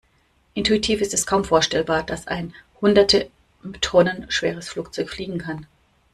Intuitiv ist es kaum vorstellbar, dass ein hunderte Tonnen schweres Flugzeug fliegen kann.